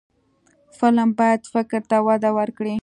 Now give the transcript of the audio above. فلم باید فکر ته وده ورکړي